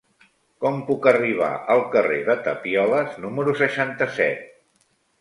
Com puc arribar al carrer de Tapioles número seixanta-set?